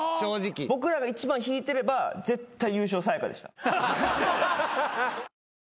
僕らが１番引いてれば絶対優勝さや香でした。